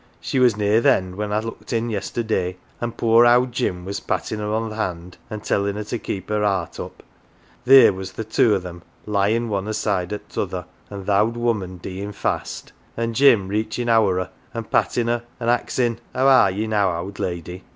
She was near th' end when I looked in yesterday, an' poor owd Jim was pattin' her o' th' hand an"" tellin' her to keep her 'eart up. Theer was th' two o' them lyin' one aside o' t'other, an 1 th' owd woman deein' fast, an 1 Jim reachin' ower to her an' pattin' her, an' axin' ' How are ye now, owd lady